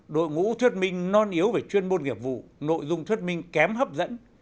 đội ngũ thuyết minh non yếu về chuyên môn nghiệp vụ nội dung thuyết minh kém hấp dẫn